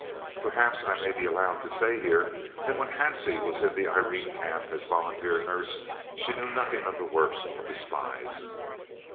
Perhaps I may be allowed to say here that when Hansie was in the Irene Camp as volunteer nurse she knew nothing of the work of the spies.